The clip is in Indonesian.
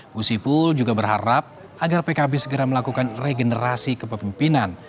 gus ipul juga berharap agar pkb segera melakukan regenerasi kepemimpinan